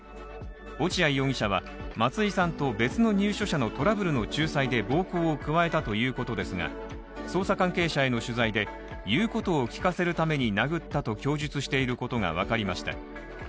落合容疑者は松井さんと別の入所者のトラブルの仲裁で暴行を加えたということですが捜査関係者への取材で言うことを聞かせるために殴ったと供述していることが分かりました。